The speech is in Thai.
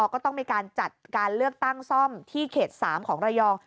ก็ต้องมีการจัดการเลือกตั้งซ่อมที่เขต๓ของระยอง